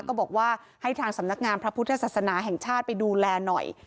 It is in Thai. ก็บอกว่าให้ทางสำนักงานพระพุทธศาสนาแห่งชาติไปดูแลหน่อย